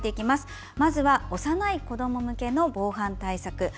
まずは幼い子ども向けの防犯対策。